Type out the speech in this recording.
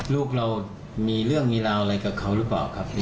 ลูกเรามีเรื่องอะไรกับเขารึเปล่าครับ